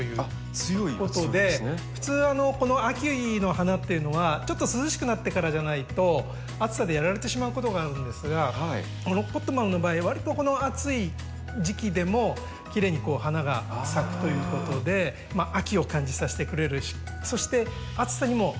普通この秋の花っていうのはちょっと涼しくなってからじゃないと暑さでやられてしまうことがあるんですがこのポットマムの場合わりとこの暑い時期でもきれいにこう花が咲くということで秋を感じさせてくれるしそして暑さにもまあまあ強いという。